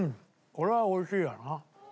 これはおいしいわな。